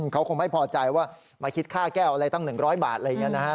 เขาคงไม่พอใจว่ามาคิดค่าแก้วอะไรตั้ง๑๐๐บาทอะไรอย่างนี้นะครับ